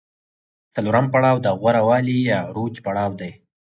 څلورم پړاو د غوره والي یا عروج پړاو دی